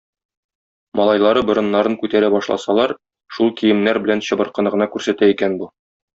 Малайлары борыннарын күтәрә башласалар, шул киемнәр белән чыбыркыны гына күрсәтә икән бу.